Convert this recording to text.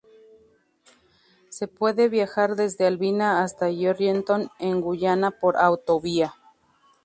Se puede viajar desde Albina hasta Georgetown en Guyana por autovía.